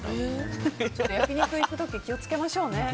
焼き肉行く時気を付けましょうね。